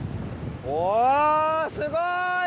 おおすごい！